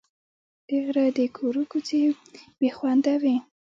د غره د کورو کوڅې بې خونده وې.